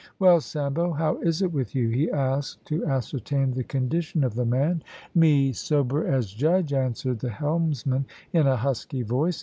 "Well, Sambo, how is it with you?" he asked, to ascertain the condition of the man. "Me sober as judge," answered the helmsman, in a husky voice.